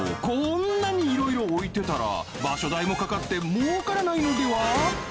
こんなにいろいろ置いてたら場所代もかかって儲からないのでは？